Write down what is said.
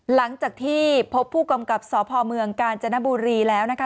หลังจากที่พบผู้กำกับสพเมืองกาญจนบุรีแล้วนะคะ